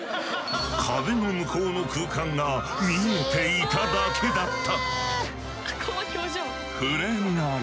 壁の向こうの空間が見えていただけだった。